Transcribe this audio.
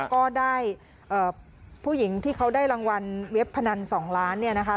ก็ได้ผู้หญิงที่เขาได้รางวัลเว็บพนัน๒ล้านเนี่ยนะคะ